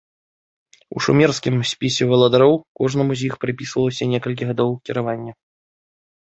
У шумерскім спісе валадароў кожнаму з іх прыпісвалася некалькі гадоў кіравання.